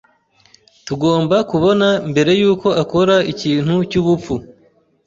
Tugomba kubona mbere yuko akora ikintu cyubupfu.